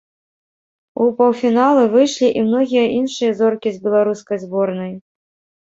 У паўфіналы выйшлі і многія іншыя зоркі з беларускай зборнай.